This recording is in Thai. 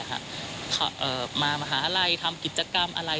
มามหาลัยทำกิจกรรมอะไร